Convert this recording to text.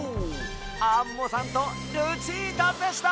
アンモさんとルチータでした！